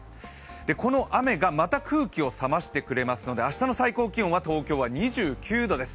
この雨がまた空気を冷ましてくれますので明日の最高気温は東京は２９度です。